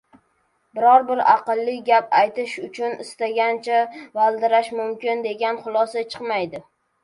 biror-bir aqlli gap aytish uchun istagancha valdirash mumkin degan xulosa chiqmaydi.